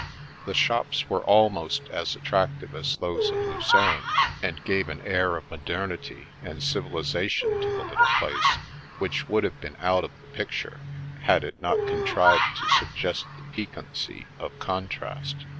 The shops were almost as attractive as those of Lucerne, and gave an air of modernity and civilisa tion to the little place, which would have been out of the picture, had it not contrived to suggest the pi quancy of contrast.